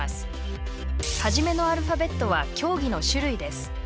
初めのアルファベットは競技の種類です。